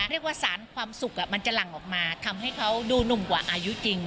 เรียกว่าสารความสุขมันจะหลั่งออกมาทำให้เขาดูหนุ่มกว่าอายุจริง